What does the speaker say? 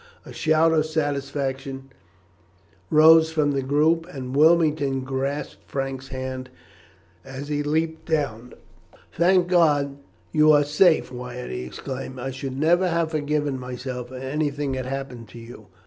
A shout of satisfaction rose from the group, and Wilmington grasped Frank's hand as he leapt down. "Thank God that you are safe, Wyatt," he exclaimed. "I should never have forgiven myself if anything had happened to you.